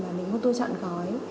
mà mình mua tour chọn gói